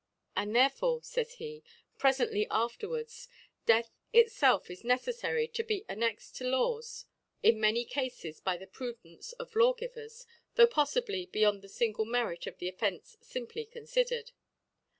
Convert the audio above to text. * And therefore^ f«y« he, ppefently afterwards, Detth itfelf ia ncceffary to be annexed to Laws in many Cafes by the Prudence of Law givers, though poffibly beyond the fingk Merit of the Ofience fimply con fidered.